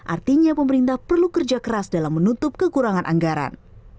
artinya pemerintah perlu kerja keras dalam menutup kekurangan anggaran